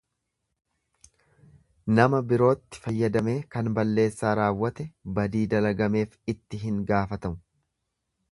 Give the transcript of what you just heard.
Nama birootti fayyadamee kan balleessaa raawwate badii dalagameef itti hin gaafatamu.